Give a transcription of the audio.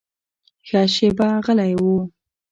ښه شېبه غلی و.